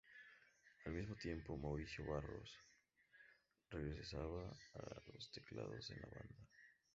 Al mismo tiempo, Maurício Barros regresa a los teclados en la banda.